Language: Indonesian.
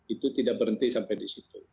itu tidak berhenti sampai di situ